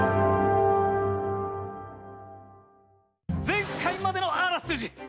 前回までのあらすじ！